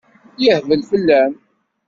Yehbel fell-am.